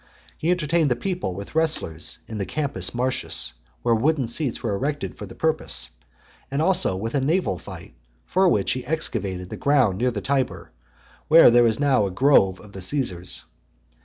He entertained the people with wrestlers in the Campus Martius, where wooden seats were erected for the purpose; and also with a naval fight, for which he excavated the ground near the Tiber, where there is now the grove of the Caesars.